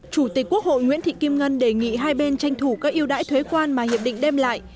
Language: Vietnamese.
chủ tịch quốc hội nguyễn thị kim ngân đề nghị hai bên tranh thủ các yêu đãi thuế quan mà hiệp định đem lại